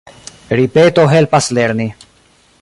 Ripeto helpas lerni.